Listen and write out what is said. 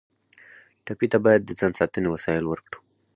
ټپي ته باید د ځان ساتنې وسایل ورکړو.